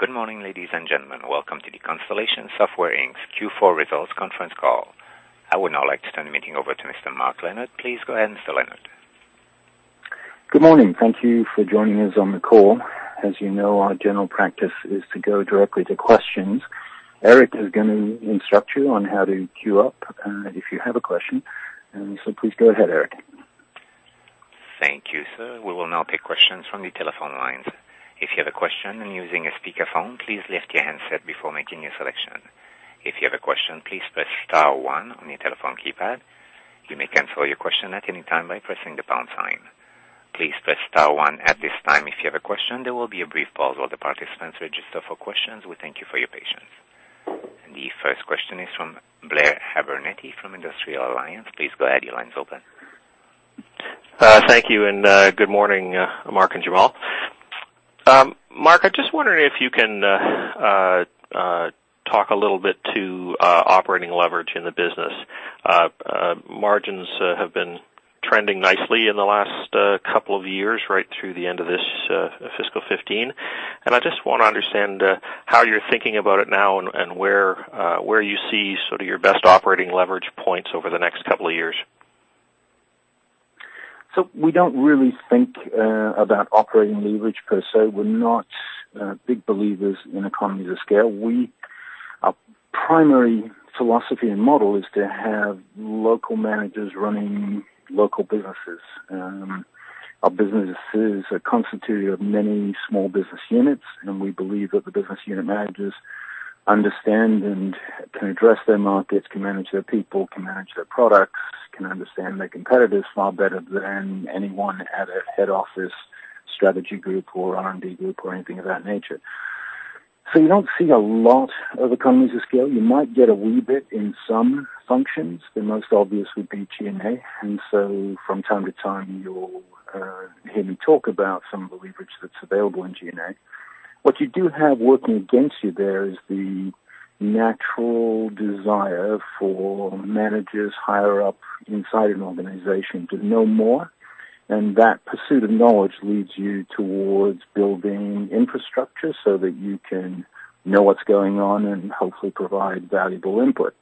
Good morning, ladies and gentlemen. Welcome to the Constellation Software Inc.'s Q4 Results Conference Call. I would now like to turn the meeting over to Mr. Mark Leonard. Please go ahead, Mr. Leonard. Good morning. Thank you for joining us on the call. As you know, our general practice is to go directly to questions. Eric is gonna instruct you on how to queue up if you have a question. Please go ahead, Eric. Thank you, sir. We will now take questions from the telephone lines. If you have a question and using a speakerphone, please lift your handset before making your selection. If you have a question, please press star one on your telephone keypad. You may cancel your question at any time by pressing the pound sign. Please press star one at this time if you have a question. There will be a brief pause while the participants register for questions. We thank you for your patience. The first question is from Blair Abernethy from Industrial Alliance. Please go ahead. Your line's open. Thank you, and good morning, Mark and Jamal. Mark, I'm just wondering if you can talk a little bit to operating leverage in the business. Margins have been trending nicely in the last couple of years, right through the end of this fiscal 2015, and I just wanna understand how you're thinking about it now and where you see sort of your best operating leverage points over the next couple of years. We don't really think about operating leverage per se. We're not big believers in economies of scale. Our primary philosophy and model is to have local managers running local businesses. Our business is a constituted of many small business units, and we believe that the business unit managers understand and can address their markets, can manage their people, can manage their products, can understand their competitors far better than anyone at a head office strategy group or R&D group or anything of that nature. You don't see a lot of economies of scale. You might get a wee bit in some functions. The most obvious would be G&A. From time to time, you'll hear me talk about some of the leverage that's available in G&A. What you do have working against you there is the natural desire for managers higher up inside an organization to know more, and that pursuit of knowledge leads you towards building infrastructure so that you can know what's going on and hopefully provide valuable input.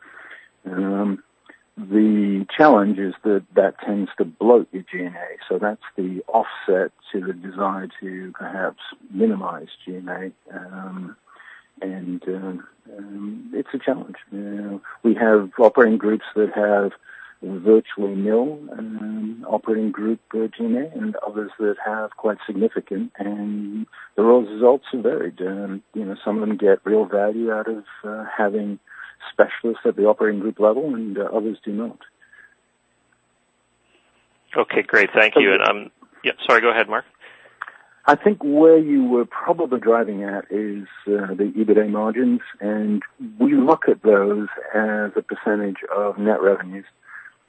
The challenge is that that tends to bloat your G&A, so that's the offset to the desire to perhaps minimize G&A. It's a challenge. We have operating groups that have virtually nil operating group G&A and others that have quite significant. The results varied. You know, some of them get real value out of having specialists at the operating group level, and others do not. Okay, great. Thank you. So. Yeah, sorry. Go ahead, Mark. I think where you were probably driving at is the EBITA margins, and we look at those as a percentage of net revenues.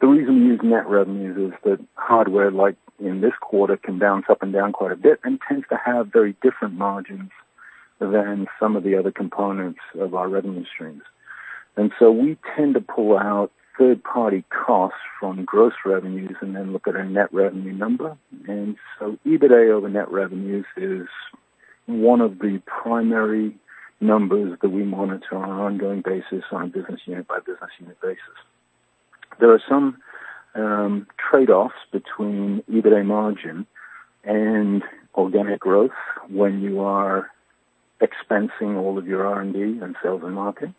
The reason we use net revenues is that hardware, like in this quarter, can bounce up and down quite a bit and tends to have very different margins than some of the other components of our revenue streams. We tend to pull out third-party costs from gross revenues and then look at our net revenue number. EBITA over net revenues is one of the primary numbers that we monitor on an ongoing basis on business unit by business unit basis. There are some trade-offs between EBITA margin and organic growth when you are expensing all of your R&D and sales and marketing,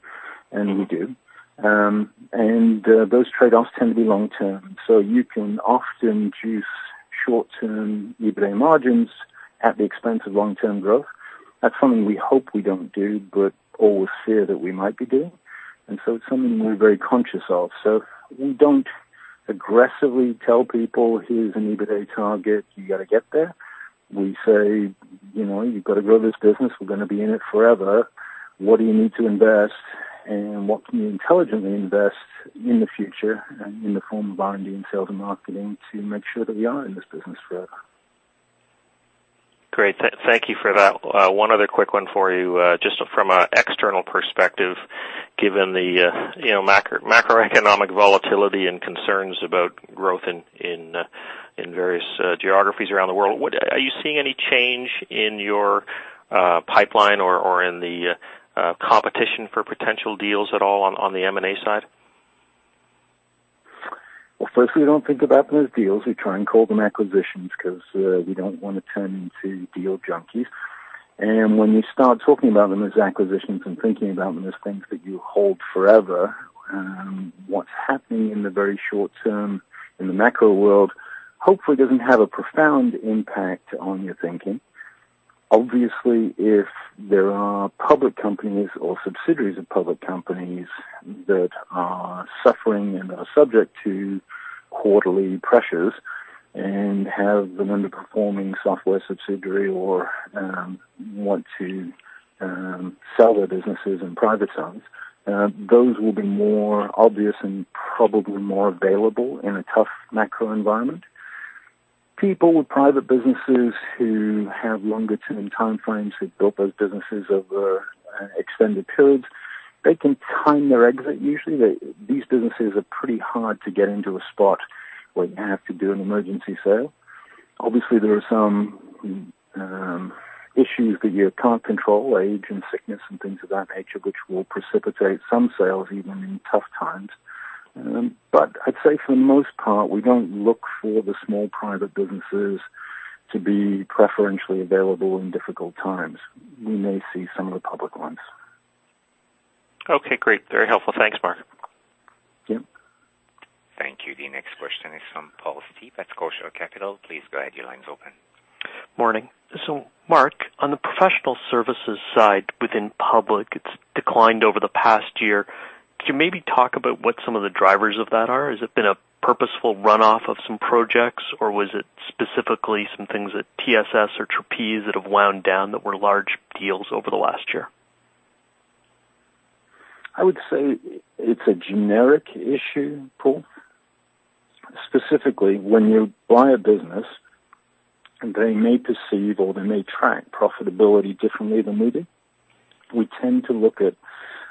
and we do. Those trade-offs tend to be long term, you can often choose short-term EBITA margins at the expense of long-term growth. That's something we hope we don't do but always fear that we might be doing, it's something we're very conscious of. We don't aggressively tell people, "Here's an EBITA target. You gotta get there." We say, "You know, you've gotta grow this business. We're gonna be in it forever. What do you need to invest, and what can you intelligently invest in the future in the form of R&D and sales and marketing to make sure that we are in this business forever? Great. Thank you for that. One other quick one for you. Just from a external perspective, given the, you know, macro, macroeconomic volatility and concerns about growth in various geographies around the world, are you seeing any change in your pipeline or in the competition for potential deals at all on the M&A side? Well, first, we don't think about them as deals. We try and call them acquisitions 'cause we don't wanna turn into deal junkies. When you start talking about them as acquisitions and thinking about them as things that you hold forever, what's happening in the very short term in the macro world hopefully doesn't have a profound impact on your thinking. Obviously, if there are public companies or subsidiaries of public companies that are suffering and are subject to quarterly pressures and have an underperforming software subsidiary or want to sell their businesses in private sales, those will be more obvious and probably more available in a tough macro environment. People with private businesses who have longer term timeframes, who've built those businesses over extended periods. They can time their exit usually. These businesses are pretty hard to get into a spot where you have to do an emergency sale. Obviously, there are some issues that you can't control, age and sickness and things of that nature, which will precipitate some sales even in tough times. I'd say for the most part, we don't look for the small private businesses to be preferentially available in difficult times. We may see some of the public ones. Okay. Great. Very helpful. Thanks, Mark. Yeah. Thank you. The next question is from Paul Steep at Scotia Capital. Please go ahead. Your line is open. Morning. Mark, on the professional services side within public, it's declined over the past year. Could you maybe talk about what some of the drivers of that are? Has it been a purposeful runoff of some projects, or was it specifically some things at TSS or Trapeze that have wound down that were large deals over the last year? I would say it's a generic issue, Paul. Specifically, when you buy a business and they may perceive or they may track profitability differently than we do. We tend to look at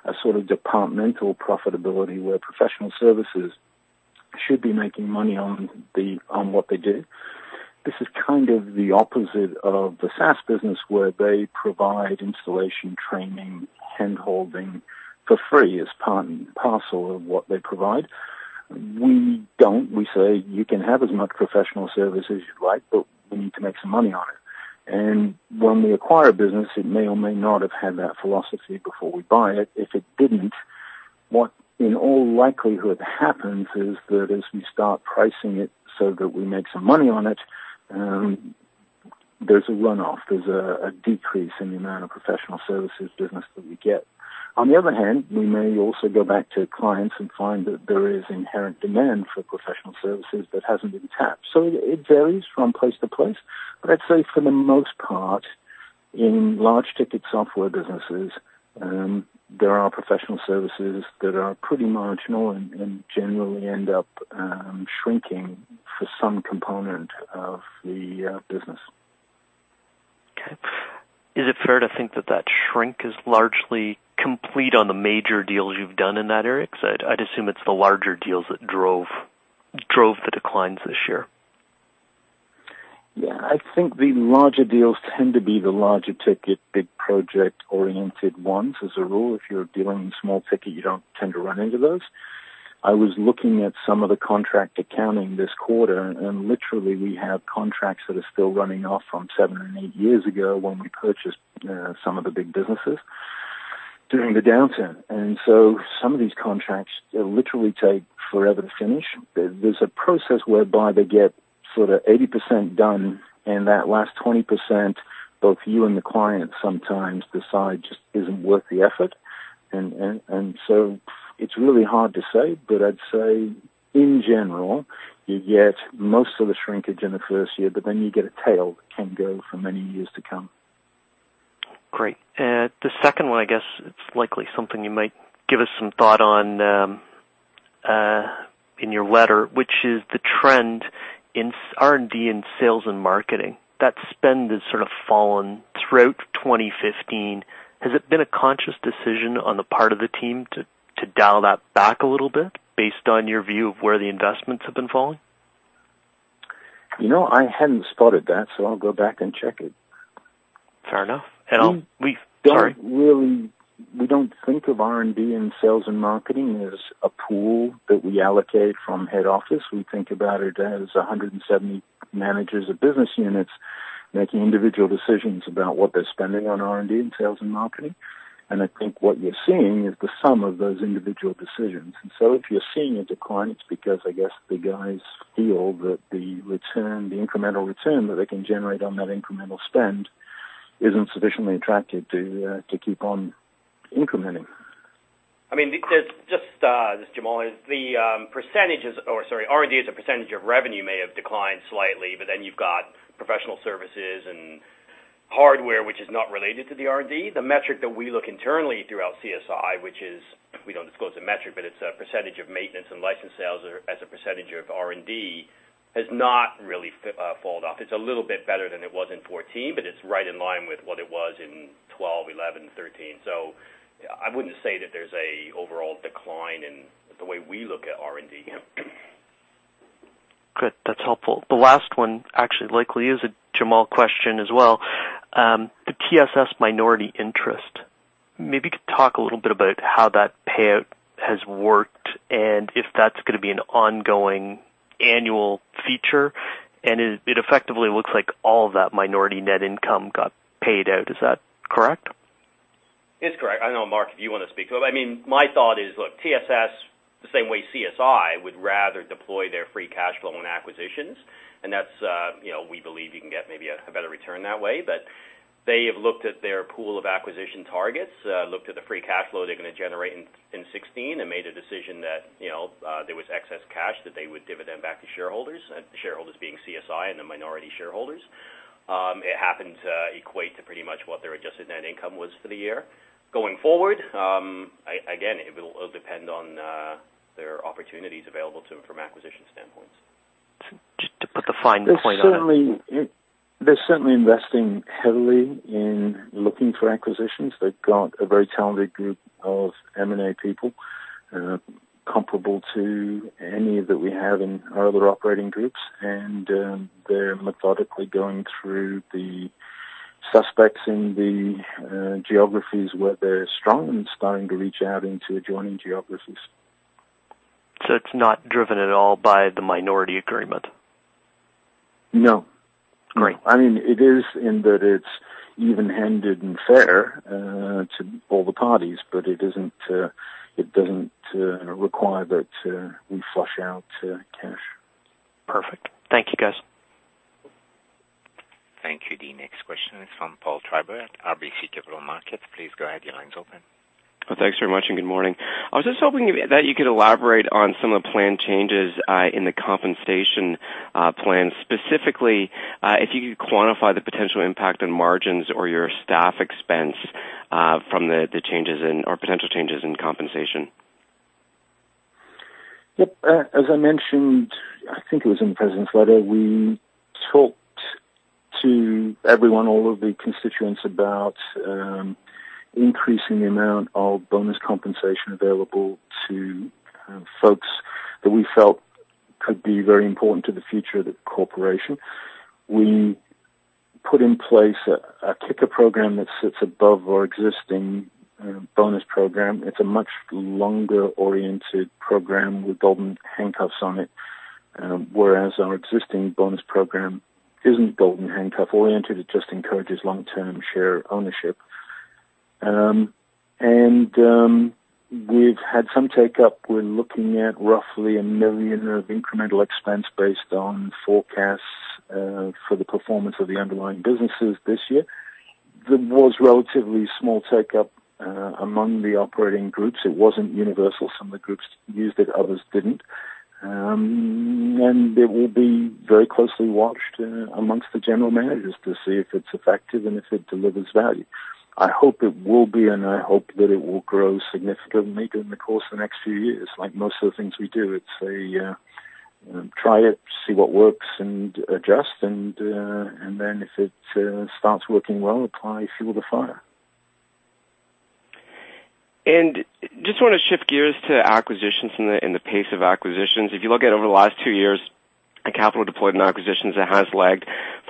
a sort of departmental profitability where professional services should be making money on what they do. This is kind of the opposite of the SaaS business, where they provide installation, training, hand-holding for free as part and parcel of what they provide. We don't. We say, "You can have as much professional service as you like, but we need to make some money on it." When we acquire a business, it may or may not have had that philosophy before we buy it. If it didn't, what in all likelihood happens is that as we start pricing it so that we make some money on it, there's a runoff. There's a decrease in the amount of professional services business that we get. On the other hand, we may also go back to clients and find that there is inherent demand for professional services that hasn't been tapped. It varies from place to place. I'd say for the most part, in large ticket software businesses, there are professional services that are pretty marginal and generally end up shrinking for some component of the business. Okay. Is it fair to think that that shrink is largely complete on the major deals you've done in that area? I'd assume it's the larger deals that drove the declines this year. Yeah. I think the larger deals tend to be the larger ticket, big project-oriented ones as a rule. If you're dealing in small ticket, you don't tend to run into those. I was looking at some of the contract accounting this quarter, and literally we have contracts that are still running off from seven and eight years ago when we purchased some of the big businesses during the downturn. Some of these contracts literally take forever to finish. There's a process whereby they get sort of 80% done and that last 20%, both you and the client sometimes decide just isn't worth the effort. It's really hard to say. I'd say in general, you get most of the shrinkage in the first year, but then you get a tail that can go for many years to come. Great. The second one, I guess it's likely something you might give us some thought on in your letter, which is the trend in R&D in sales and marketing. That spend has sort of fallen throughout 2015. Has it been a conscious decision on the part of the team to dial that back a little bit based on your view of where the investments have been falling? You know, I hadn't spotted that, so I'll go back and check it. Fair enough. We don't really. Sorry. We don't think of R&D and sales and marketing as a pool that we allocate from head office. We think about it as 170 managers of business units making individual decisions about what they're spending on R&D and sales and marketing. I think what you're seeing is the sum of those individual decisions. If you're seeing a decline, it's because I guess the guys feel that the return, the incremental return that they can generate on that incremental spend isn't sufficiently attractive to keep on incrementing. This is Jamal. The percentages or, sorry, R&D as a percentage of revenue may have declined slightly, but then you've got professional services and hardware which is not related to the R&D. The metric that we look internally throughout CSI, which is, we don't disclose the metric, but it's a percentage of maintenance and license sales as a percentage of R&D, has not really falled off. It's a little bit better than it was in 14, but it's right in line with what it was in 12, 11, 13. I wouldn't say that there's a overall decline in the way we look at R&D. Good. That's helpful. The last one actually likely is a Jamal question as well. The TSS minority interest. Maybe you could talk a little bit about how that payout has worked and if that's gonna be an ongoing annual feature. It effectively looks like all of that minority net income got paid out. Is that correct? It's correct. I know, Mark, if you want to speak. Well, I mean, my thought is, look, TSS, the same way CSI would rather deploy their free cash flow on acquisitions. That's, you know, we believe you can get maybe a better return that way. They have looked at their pool of acquisition targets, looked at the free cash flow they're going to generate in 16 and made a decision that, you know, there was excess cash that they would dividend back to shareholders, and shareholders being CSI and the minority shareholders. It happened to equate to pretty much what their adjusted net income was for the year. Going forward, again, it'll depend on their opportunities available to them from acquisition standpoint To put a fine point on it. They're certainly investing heavily in looking for acquisitions. They've got a very talented group of M&A people, comparable to any that we have in our other operating groups. They're methodically going through the suspects in the geographies where they're strong and starting to reach out into adjoining geographies. It's not driven at all by the minority agreement? No. Great. I mean, it is in that it's even-handed and fair, to all the parties, but it isn't, it doesn't, require that, we flush out, cash. Perfect. Thank you, guys. Thank you. The next question is from Paul Treiber at RBC Capital Markets. Please go ahead. Your line's open. Well, thanks very much, and good morning. I was just hoping you could elaborate on some of the planned changes in the compensation plan, specifically, if you could quantify the potential impact on margins or your staff expense from the changes in or potential changes in compensation. Yep. As I mentioned, I think it was in the president's letter, we talked to everyone, all of the constituents about increasing the amount of bonus compensation available to folks that we felt could be very important to the future of the corporation. We put in place a kicker program that sits above our existing bonus program. It's a much longer-oriented program with golden handcuffs on it, whereas our existing bonus program isn't golden handcuff-oriented. It just encourages long-term share ownership. We've had some take-up. We're looking at roughly 1 million of incremental expense based on forecasts for the performance of the underlying businesses this year. There was relatively small take-up among the operating groups. It wasn't universal. Some of the groups used it, others didn't. It will be very closely watched amongst the general managers to see if it's effective and if it delivers value. I hope it will be, and I hope that it will grow significantly during the course of the next few years, like most of the things we do. It's a try it, see what works, and adjust. If it starts working well, apply fuel to fire. Just wanna shift gears to acquisitions and the pace of acquisitions. If you look at over the last two years at capital deployed in acquisitions, it has lagged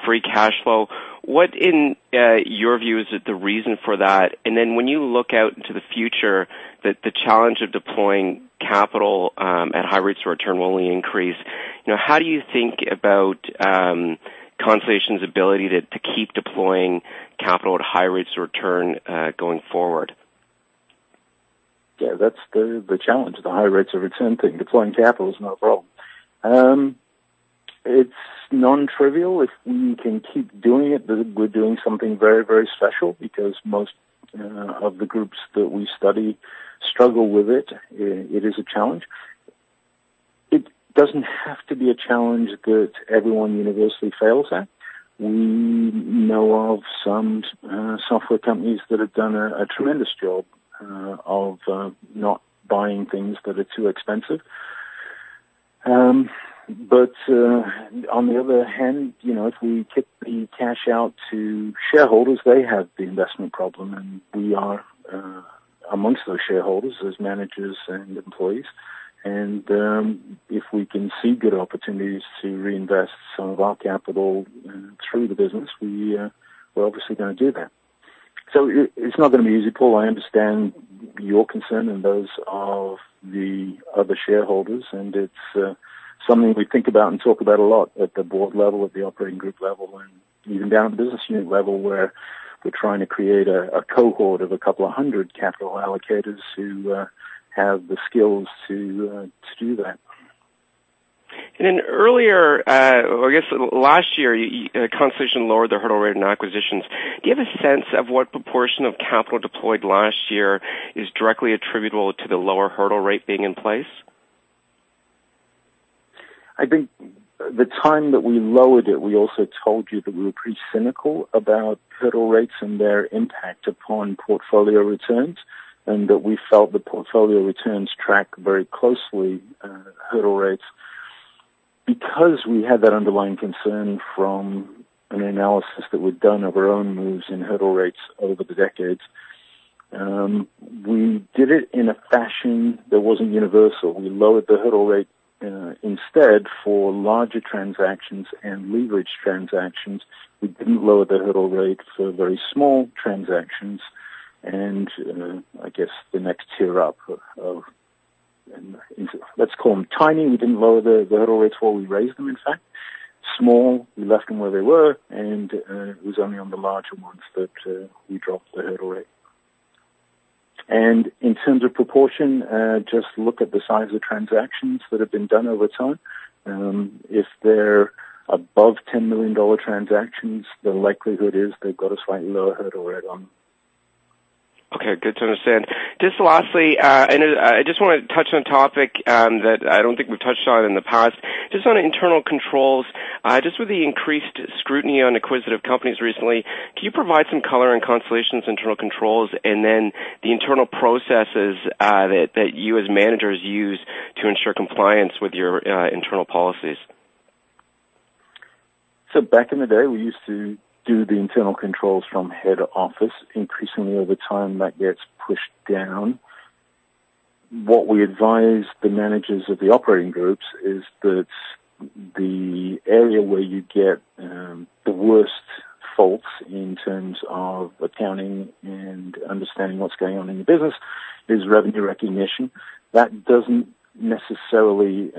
free cash flow. What in your view is the reason for that? When you look out into the future, the challenge of deploying capital at high rates of return will only increase. You know, how do you think about Constellation's ability to keep deploying capital at high rates of return going forward? Yeah, that's the challenge, the high rates of return thing. Deploying capital is not a problem. It's non-trivial. If we can keep doing it, then we're doing something very, very special because most of the groups that we study struggle with it. It is a challenge. It doesn't have to be a challenge that everyone universally fails at. We know of some software companies that have done a tremendous job of not buying things that are too expensive. On the other hand, you know, if we kick the cash out to shareholders, they have the investment problem, and we are amongst those shareholders as managers and employees. If we can see good opportunities to reinvest some of our capital through the business, we're obviously gonna do that. It's not gonna be easy, Paul. I understand your concern and those of the other shareholders, and it's something we think about and talk about a lot at the board level, at the operating group level, and even down at the business unit level, where we're trying to create a cohort of a couple of 100 capital allocators who have the skills to do that. In earlier, or I guess last year, Constellation lowered their hurdle rate in acquisitions. Do you have a sense of what proportion of capital deployed last year is directly attributable to the lower hurdle rate being in place? I think the time that we lowered it, we also told you that we were pretty cynical about hurdle rates and their impact upon portfolio returns, and that we felt the portfolio returns track very closely, hurdle rates. Because we had that underlying concern from an analysis that we'd done of our own moves in hurdle rates over the decades, we did it in a fashion that wasn't universal. We lowered the hurdle rate instead for larger transactions and leveraged transactions. We didn't lower the hurdle rate for very small transactions and, I guess the next tier up of Let's call them tiny. We didn't lower the hurdle rates. Well, we raised them, in fact. Small, we left them where they were. It was only on the larger ones that we dropped the hurdle rate. In terms of proportion, just look at the size of transactions that have been done over time. If they're above 10 million dollar transactions, the likelihood is they've got a slightly lower hurdle rate on them. Okay. Good to understand. Just lastly, I just wanna touch on a topic that I don't think we've touched on in the past, just on internal controls. Just with the increased scrutiny on acquisitive companies recently, can you provide some color on Constellation's internal controls and then the internal processes that you as managers use to ensure compliance with your internal policies? Back in the day, we used to do the internal controls from head office. Increasingly over time, that gets pushed down. What we advise the managers of the operating groups is that the area where you get the worst faults in terms of accounting and understanding what's going on in the business is revenue recognition. That doesn't necessarily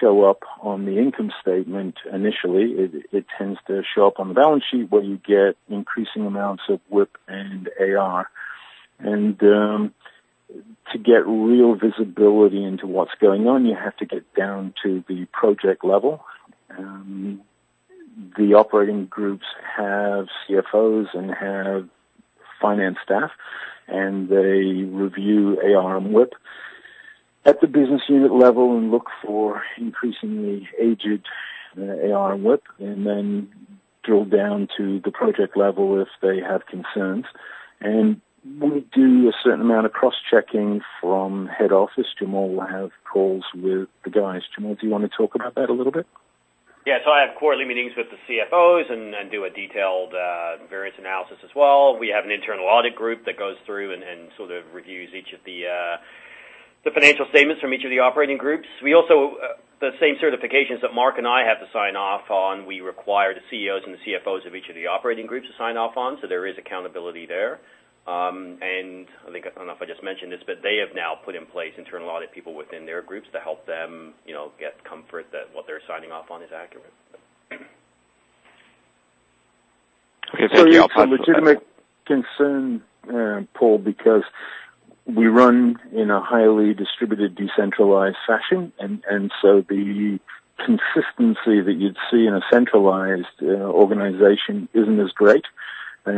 show up on the income statement initially. It tends to show up on the balance sheet where you get increasing amounts of WIP and AR. To get real visibility into what's going on, you have to get down to the project level. The operating groups have CFOs and have finance staff, and they review AR and WIP at the business unit level and look for increasingly aged AR and WIP, and then drill down to the project level if they have concerns. We do a certain amount of cross-checking from head office. Jamal will have calls with the guys. Jamal, do you want to talk about that a little bit? Yeah. I have quarterly meetings with the CFOs and do a detailed variance analysis as well. We have an internal audit group that goes through and sort of reviews each of the financial statements from each of the operating groups. We also, the same certifications that Mark and I have to sign off on, we require the CEOs and the CFOs of each of the operating groups to sign off on. There is accountability there. I think, I don't know if I just mentioned this, but they have now put in place internal audit people within their groups to help them, you know, get comfort that what they're signing off on is accurate. Okay, thank you. I'll pass the line. It's a legitimate concern, Paul, because we run in a highly distributed, decentralized fashion. The consistency that you'd see in a centralized organization isn't as great. At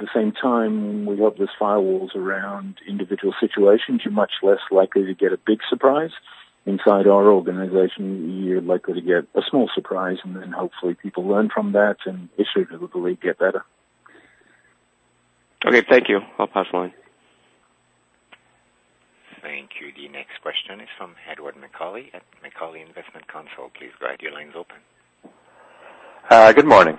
the same time, we've got these firewalls around individual situations. You're much less likely to get a big surprise inside our organization. You're likely to get a small surprise, hopefully people learn from that and issue that we believe get better. Okay, thank you. I'll pass the line. Thank you. The next question is from [Hedward McOli] at [McOli Investment Control] Please go ahead. Your line is open. Good morning.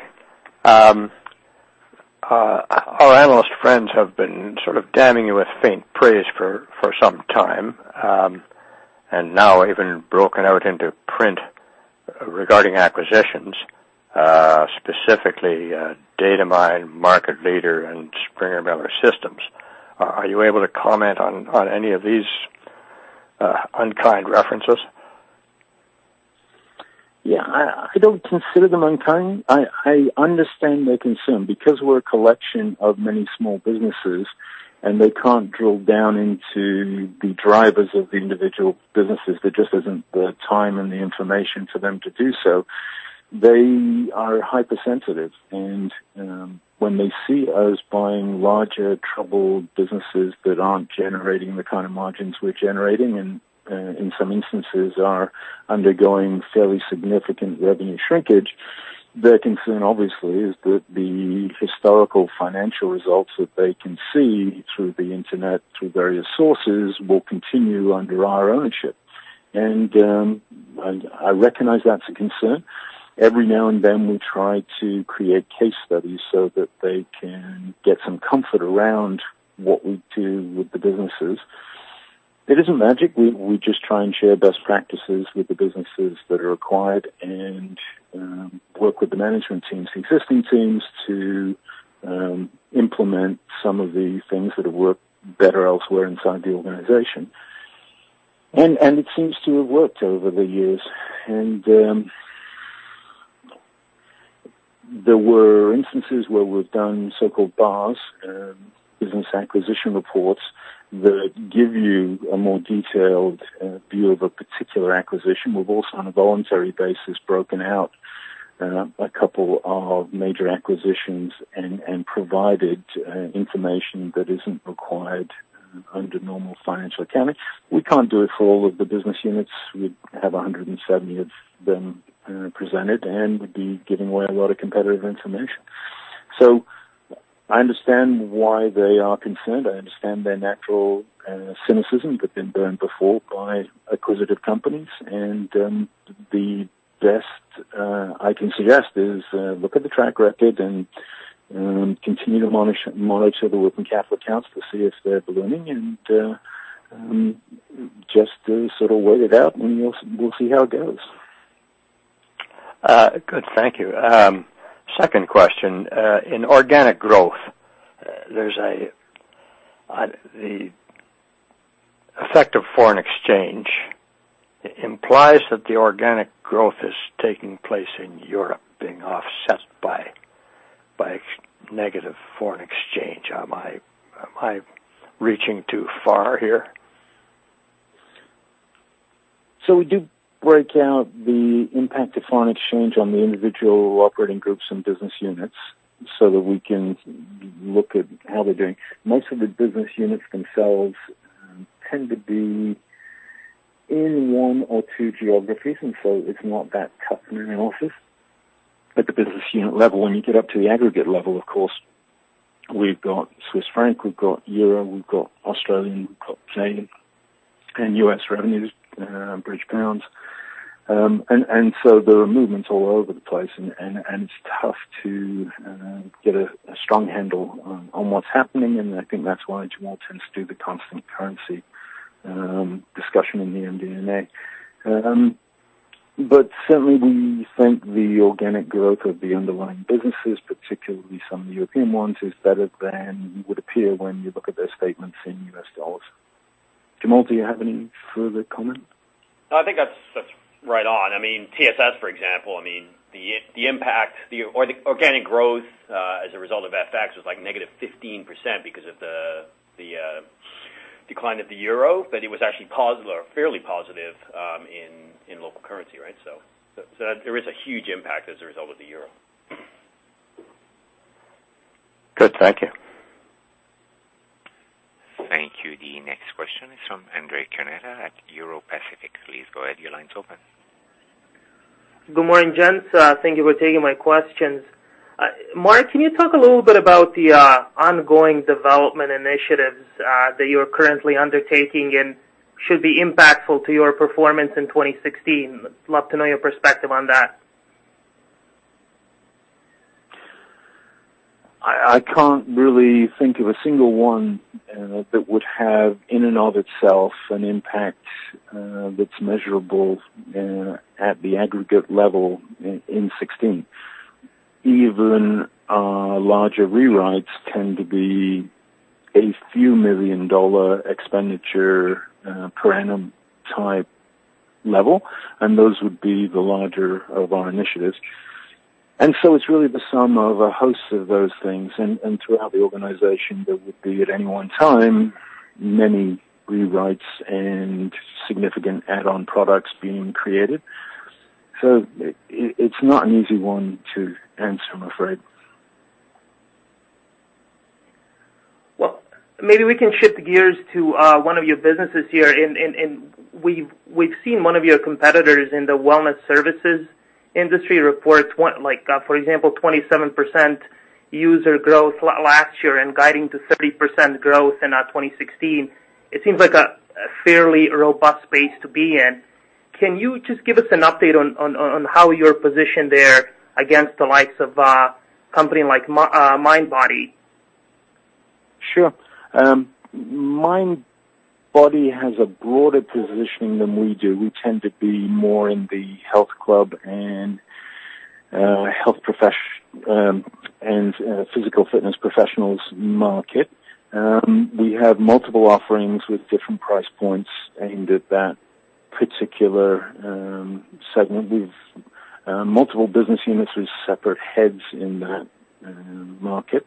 Our analyst friends have been sort of damning you with faint praise for some time, and now even broken out into print regarding acquisitions, specifically, Datamine, Market Leader and Springer-Miller Systems. Are you able to comment on any of these unkind references? I don't consider them unkind. I understand their concern. We're a collection of many small businesses and they can't drill down into the drivers of the individual businesses, there just isn't the time and the information for them to do so. They are hypersensitive. When they see us buying larger troubled businesses that aren't generating the kind of margins we're generating in some instances are undergoing fairly significant revenue shrinkage, their concern obviously is that the historical financial results that they can see through the internet, through various sources, will continue under our ownership. I recognize that's a concern. Every now and then we try to create case studies so that they can get some comfort around what we do with the businesses. It isn't magic. We just try and share best practices with the businesses that are acquired and work with the management teams, existing teams to implement some of the things that have worked better elsewhere inside the organization. It seems to have worked over the years. There were instances where we've done so-called BARs, business acquisition reports that give you a more detailed view of a particular acquisition. We've also, on a voluntary basis, broken out a couple of major acquisitions and provided information that isn't required under normal financial accounting. We can't do it for all of the business units. We'd have 170 of them presented, and we'd be giving away a lot of competitive information. I understand why they are concerned. I understand their natural cynicism. They've been burned before by acquisitive companies. The best I can suggest is look at the track record and continue to monitor the working capital accounts to see if they're ballooning and just sort of wait it out and we'll see how it goes. Good. Thank you. Second question. In organic growth, there's the effect of foreign exchange implies that the organic growth is taking place in Europe being offset by negative foreign exchange. Am I reaching too far here? We do break out the impact of foreign exchange on the individual operating groups and business units so that we can look at how they're doing. Most of the business units themselves tend to be in one or two geographies, and so it's not that tough an analysis at the business unit level. When you get up to the aggregate level, of course. We've got CHF, we've got EUR, we've got AUD, we've got CAD and USD revenues, GBP. There are movements all over the place and it's tough to get a strong handle on what's happening. I think that's why Jamal tends to do the constant currency discussion in the MD&A. Certainly we think the organic growth of the underlying businesses, particularly some of the European ones, is better than would appear when you look at their statements in US dollars. Jamal, do you have any further comment? No, I think that's right on. I mean, TSS, for example, I mean the impact, organic growth as a result of FX was like negative 15% because of the decline of the euro, but it was actually fairly positive in local currency, right? There is a huge impact as a result of the euro. Good. Thank you. Thank you. The next question is from Andrej Krneta Euro Pacific. Please go ahead. Your line's open. Good morning, gents. Thank you for taking my questions. Mark, can you talk a little bit about the ongoing development initiatives that you're currently undertaking and should be impactful to your performance in 2016? Love to know your perspective on that. I can't really think of a single one that would have in and of itself an impact that's measurable at the aggregate level in 2016. Even larger rewrites tend to be a few million CAD expenditure per annum type level, and those would be the larger of our initiatives. It's really the sum of a host of those things and throughout the organization there would be at any one time many rewrites and significant add-on products being created. It's not an easy one to answer, I'm afraid. Maybe we can shift gears to one of your businesses here. We've seen one of your competitors in the wellness services industry report one like, for example, 27% user growth last year and guiding to 30% growth in 2016. It seems like a fairly robust space to be in. Can you just give us an update on how you're positioned there against the likes of a company like Mindbody? Sure. Mindbody has a broader positioning than we do. We tend to be more in the health club and health professionals market. We have multiple offerings with different price points aimed at that particular segment with multiple business units with separate heads in that market.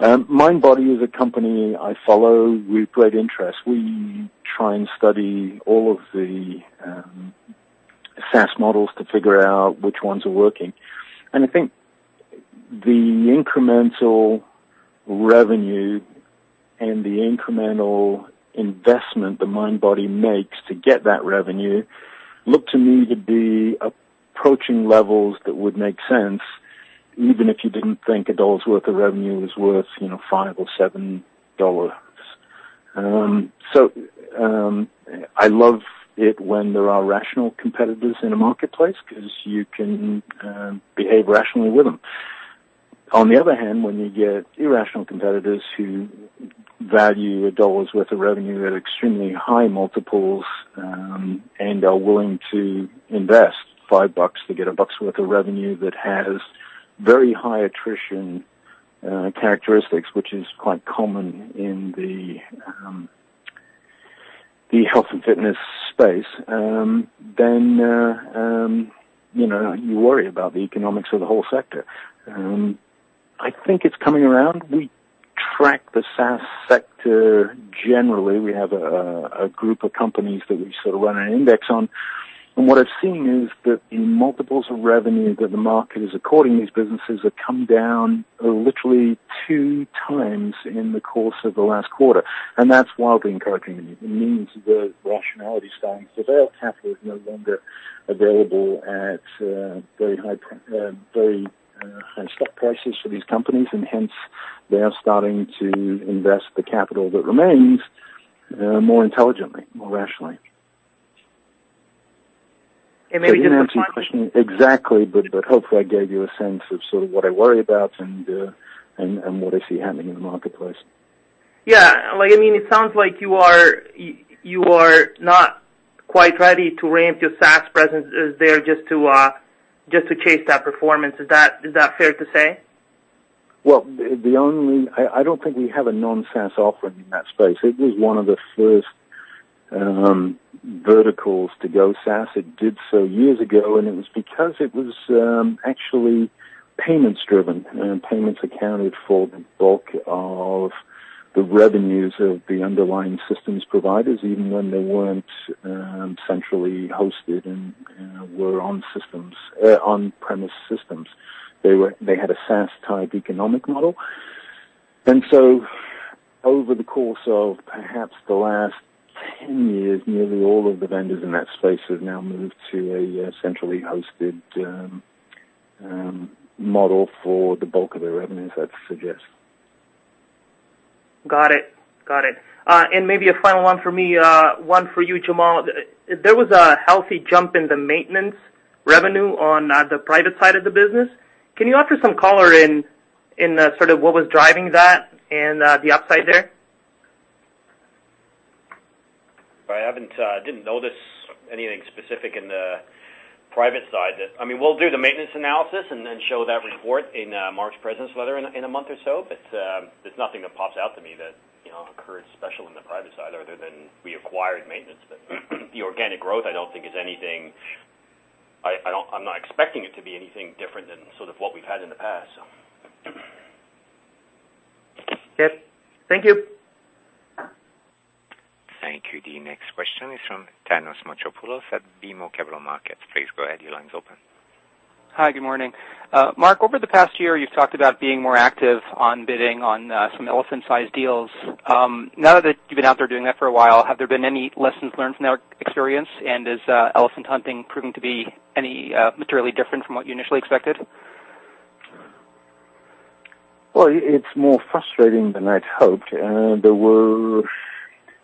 Mindbody is a company I follow with great interest. We try and study all of the SaaS models to figure out which ones are working. I think the incremental revenue and the incremental investment that Mindbody makes to get that revenue look to me to be approaching levels that would make sense, even if you didn't think a CAD 1 worth of revenue was worth, you know, 5 or 7 dollars. I love it when there are rational competitors in a marketplace 'cause you can behave rationally with them. On the other hand, when you get irrational competitors who value a dollar's worth of revenue at extremely high multiples and are willing to invest 5 bucks to get a buck's worth of revenue that has very high attrition characteristics, which is quite common in the health and fitness space, you know, you worry about the economics of the whole sector. I think it's coming around. We track the SaaS sector generally. We have a group of companies that we run an index on. What I've seen is that in multiples of revenue that the market is according these businesses have come down literally two times in the course of the last quarter, and that's wildly encouraging. It means the rationality is starting. Their capital is no longer available at very high stock prices for these companies, and hence, they are starting to invest the capital that remains more intelligently, more rationally. And maybe just one- I didn't answer your question exactly, but hopefully I gave you a sense of sort of what I worry about and what I see happening in the marketplace. Yeah. Like, I mean, it sounds like you are not quite ready to ramp your SaaS presence, is there, just to chase that performance. Is that, is that fair to say? Well, I don't think we have a non-SaaS offering in that space. It was one of the first verticals to go SaaS. It did so years ago. It was because it was actually payments driven. Payments accounted for the bulk of the revenues of the underlying systems providers, even when they weren't centrally hosted and were on systems, on-premise systems. They had a SaaS type economic model. Over the course of perhaps the last 10 years, nearly all of the vendors in that space have now moved to a centrally hosted model for the bulk of their revenues, I'd suggest. Got it. Got it. Maybe a final one for me, one for you, Jamal. There was a healthy jump in the maintenance revenue on, the private side of the business. Can you offer some color in, sort of what was driving that and the upside there? I haven't, didn't notice anything specific in the private side that I mean, we'll do the maintenance analysis and then show that report in March president's letter in a month or so. There's nothing that pops out to me that, you know, occurred special in the private side other than we acquired maintenance. The organic growth, I don't think is anything I'm not expecting it to be anything different than sort of what we've had in the past. Yes. Thank you. Thank you. The next question is from Thanos Moschopoulos at BMO Capital Markets. Please go ahead. Your line's open. Hi. Good morning. Mark, over the past year, you've talked about being more active on bidding on, some elephant-sized deals. Now that you've been out there doing that for a while, have there been any lessons learned from that experience? Is elephant hunting proving to be any materially different from what you initially expected? It's more frustrating than I'd hoped. There were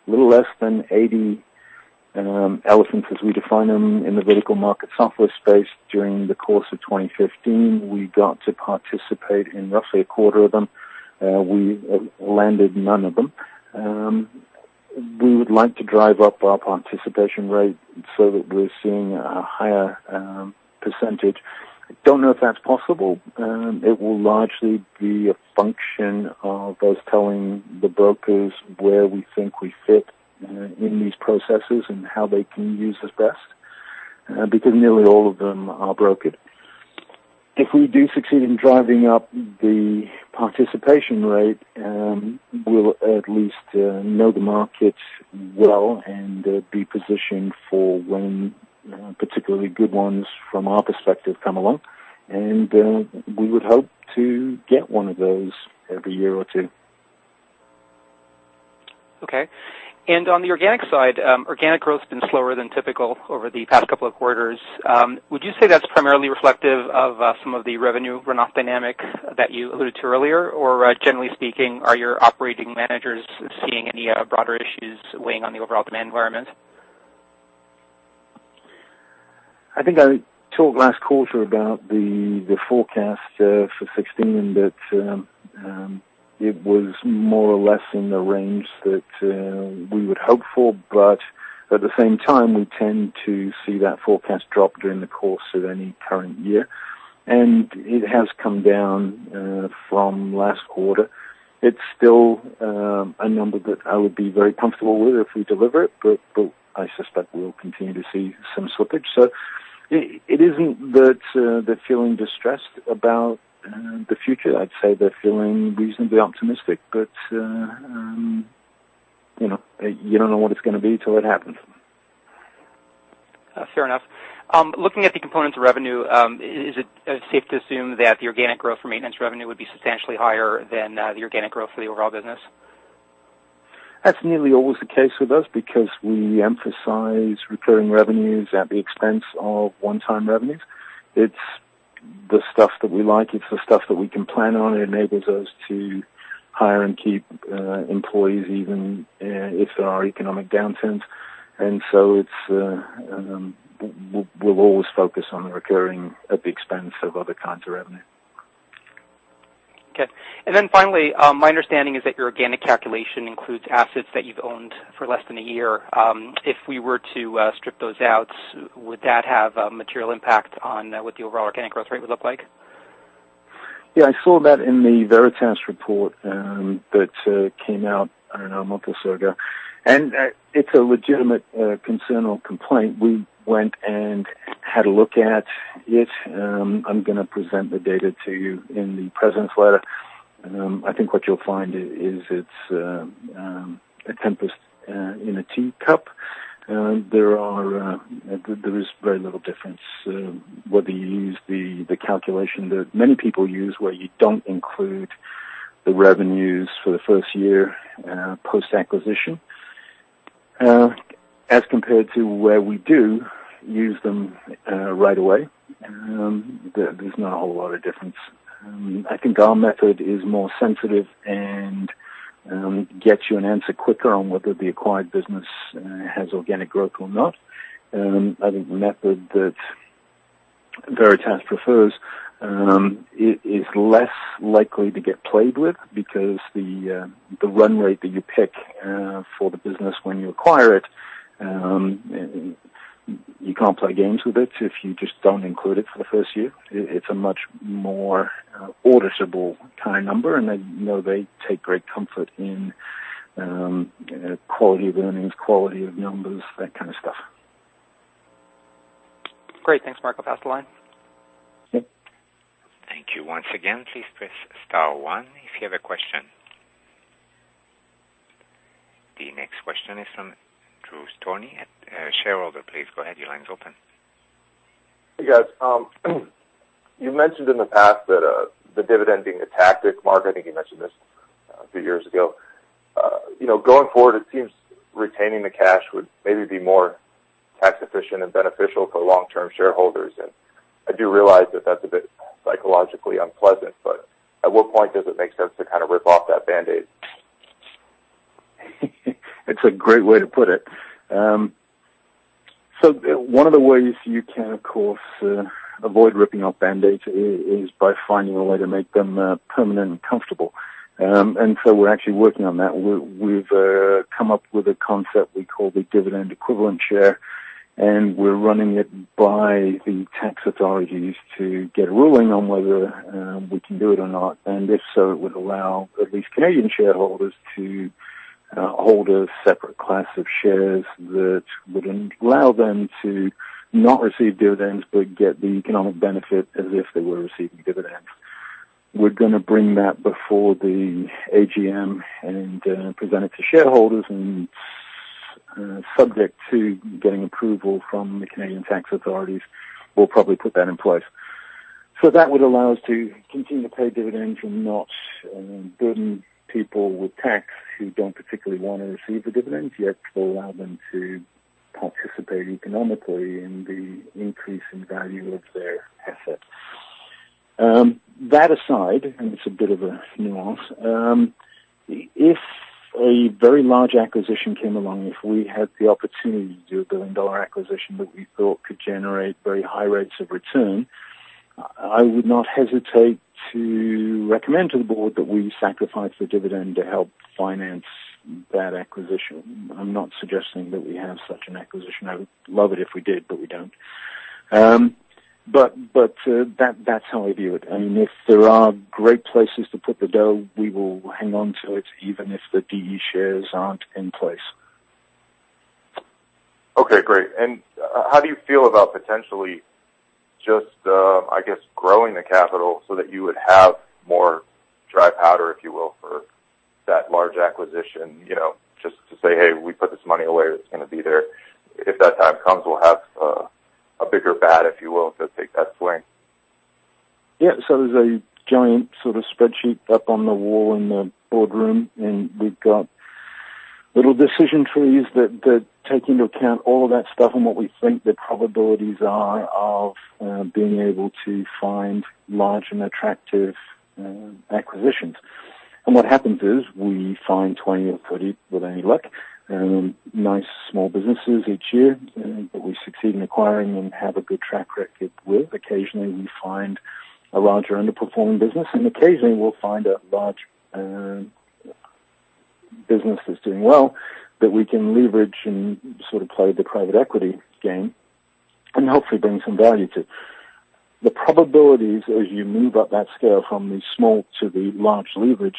little less than 80 elephants as we define them in the vertical market software space during the course of 2015. We got to participate in roughly a quarter of them. We landed none of them. We would like to drive up our participation rate so that we're seeing a higher percentage. Don't know if that's possible. It will largely be a function of us telling the brokers where we think we fit in these processes and how they can use us best because nearly all of them are brokered. If we do succeed in driving up the participation rate, we'll at least know the markets well and be positioned for when particularly good ones from our perspective come along. We would hope to get one of those every year or two. Okay. On the organic side, organic growth's been slower than typical over the past couple of quarters. Would you say that's primarily reflective of some of the revenue runoff dynamic that you alluded to earlier? Or, generally speaking, are your operating managers seeing any broader issues weighing on the overall demand environment? I think I talked last quarter about the forecast for 2016, that it was more or less in the range that we would hope for. At the same time, we tend to see that forecast drop during the course of any current year. It has come down from last quarter. It's still a number that I would be very comfortable with if we deliver it, but I suspect we'll continue to see some slippage. It isn't that they're feeling distressed about the future. I'd say they're feeling reasonably optimistic. You know, you don't know what it's gonna be till it happens. Fair enough. Looking at the components of revenue, is it safe to assume that the organic growth for maintenance revenue would be substantially higher than the organic growth for the overall business? That's nearly always the case with us because we emphasize recurring revenues at the expense of one-time revenues. It's the stuff that we like. It's the stuff that we can plan on. It enables us to hire and keep employees even if there are economic downturns. It's, we'll always focus on the recurring at the expense of other kinds of revenue. Okay. Finally, my understanding is that your organic calculation includes assets that you've owned for less than a year. If we were to strip those out, would that have a material impact on what the overall organic growth rate would look like? I saw that in the Veritas report that came out, I don't know, a month or so ago. It's a legitimate concern or complaint. We went and had a look at it. I'm gonna present the data to you in the presence letter. I think what you'll find it's a tempest in a tea cup. There is very little difference whether you use the calculation that many people use, where you don't include the revenues for the first year post-acquisition, as compared to where we do use them right away. There's not a whole lot of difference. I think our method is more sensitive and gets you an answer quicker on whether the acquired business has organic growth or not. I think the method that Veritas prefers is less likely to get played with because the run rate that you pick for the business when you acquire it, you can't play games with it if you just don't include it for the first year. It's a much more auditable kind of number, and I know they take great comfort in quality of earnings, quality of numbers, that kind of stuff. Great. Thanks, Mark. I'll pass the line. Yep. Thank you once again. Please press star one if you have a question. The next question is from Drew Stoney at shareholder. Please go ahead. Your line's open. Hey, guys. You mentioned in the past that the dividend being a tactic. Mark, I think you mentioned this a few years ago. Going forward, it seems retaining the cash would maybe be more tax efficient and beneficial for long-term shareholders. I do realize that that's a bit psychologically unpleasant, but at what point does it make sense to kind of rip off that Band-Aid? It's a great way to put it. One of the ways you can, of course, avoid ripping off Band-Aids is by finding a way to make them permanent and comfortable. We're actually working on that. We've come up with a concept we call the dividend equivalent share, and we're running it by the tax authorities to get a ruling on whether we can do it or not. If so, it would allow at least Canadian shareholders to hold a separate class of shares that would allow them to not receive dividends, but get the economic benefit as if they were receiving dividends. We're gonna bring that before the AGM and present it to shareholders and, subject to getting approval from the Canadian tax authorities. We'll probably put that in place. That would allow us to continue to pay dividends and not burden people with tax who don't particularly wanna receive the dividends, yet allow them to participate economically in the increase in value of their assets. That aside, and it's a bit of a nuance, if a very large acquisition came along, if we had the opportunity to do a 1 billion dollar acquisition that we thought could generate very high rates of return, I would not hesitate to recommend to the Board that we sacrifice the dividend to help finance that acquisition. I'm not suggesting that we have such an acquisition. I would love it if we did, but we don't. That's how I view it. I mean, if there are great places to put the dough, we will hang on to it, even if the DE shares aren't in place. Okay, great. How do you feel about potentially just, I guess, growing the capital so that you would have more dry powder, if you will, for that large acquisition? You know, just to say, "Hey, we put this money away that's gonna be there. If that time comes, we'll have a bigger bat, if you will, to take that swing. Yeah. There's a giant sort of spreadsheet up on the wall in the boardroom, and we've got little decision trees that take into account all of that stuff and what we think the probabilities are of being able to find large and attractive acquisitions. What happens is we find 20 or 30 with any luck, nice small businesses each year that we succeed in acquiring and have a good track record with. Occasionally, we find a larger underperforming business, and occasionally we'll find a large business that's doing well that we can leverage and sort of play the private equity game and hopefully bring some value to. The probabilities as you move up that scale from the small to the large leveraged,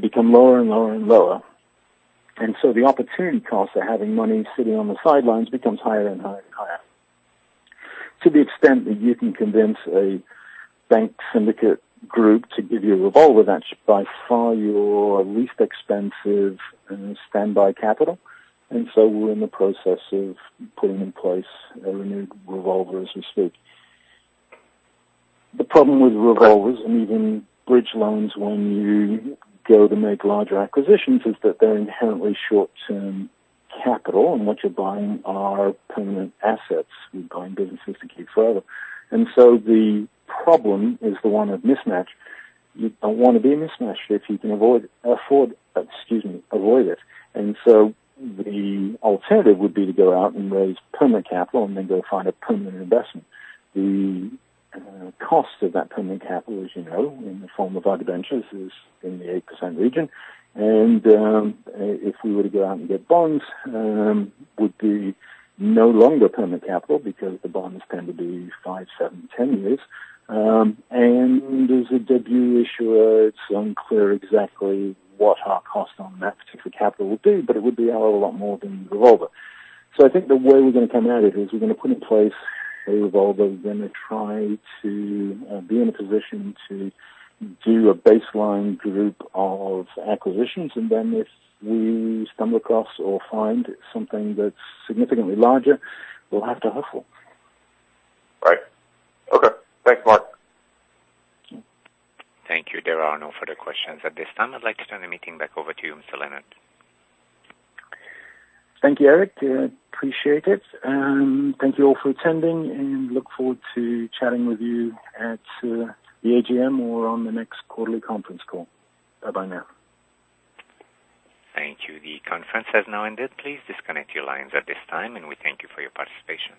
become lower and lower and lower. The opportunity cost of having money sitting on the sidelines becomes higher and higher and higher. To the extent that you can convince a bank syndicate group to give you a revolver, that's by far your least expensive standby capital. We're in the process of putting in place a renewed revolver as we speak. The problem with revolvers and even bridge loans when you go to make larger acquisitions is that they're inherently short-term capital, and what you're buying are permanent assets. You're buying businesses to keep forever. The problem is the one of mismatch. You don't wanna be mismatched if you can avoid it. The alternative would be to go out and raise permanent capital and then go find a permanent investment. The cost of that permanent capital, as you know, in the form of other debentures, is in the 8% region. If we were to go out and get bonds, would be no longer permanent capital because the bonds tend to be five, seven, 10 years. As a debut issuer, it's unclear exactly what our cost on that particular capital would be, but it would be a lot more than revolver. I think the way we're gonna come at it is we're gonna put in place a revolver. We're gonna try to be in a position to do a baseline group of acquisitions. Then if we stumble across or find something that's significantly larger, we'll have to hustle. Right. Okay. Thanks, Mark. Sure. Thank you. There are no further questions at this time. I'd like to turn the meeting back over to you, Mr. Leonard. Thank you, Eric. appreciate it. Thank you all for attending and look forward to chatting with you at the AGM or on the next quarterly conference call. Bye-bye now. Thank you. The conference has now ended. Please disconnect your lines at this time, and we thank you for your participation.